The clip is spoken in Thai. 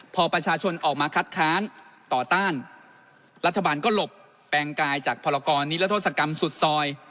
พอประชาชนออกมาคัดค้านต่อต้านรัฐบาลก็หลบแปลงกายจากพรกรนิรโทษกรรมสุดซอย